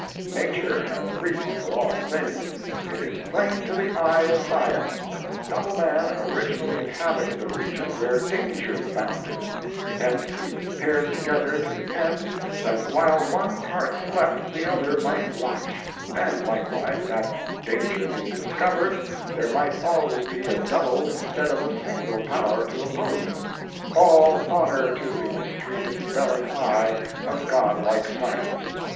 Nature has a reason for all things. It is plain to the eye of science that the Double Man originally inhabited a region where dangers abounded; hence he was paired together to the end that while one part slept the other might watch; and likewise that, danger being discovered, there might always be a double instead of a single power to oppose it. All honor to the mystery dispelling eye of godlike Science!"